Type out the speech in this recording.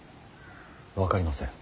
分かりません。